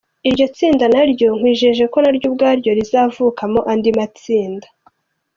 Iryo tsinda naryo nkwijeje ko naryo ubwaryo rizavukamo andi matsinda.